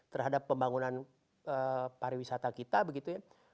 terhadap pembangunan pariwisata kita begitu ya